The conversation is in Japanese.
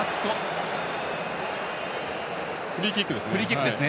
フリーキックですね。